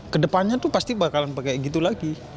kedepannya tuh pasti bakalan kayak gitu lagi